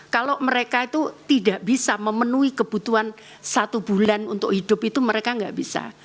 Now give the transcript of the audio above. kalau mereka itu tidak bisa memenuhi kebutuhan satu bulan untuk hidup itu mereka nggak bisa